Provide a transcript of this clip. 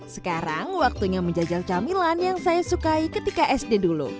sekarang waktunya menjajal camilan yang saya sukai ketika sd dulu